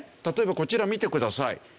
例えばこちら見てください。